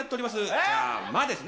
じゃあ、まですね。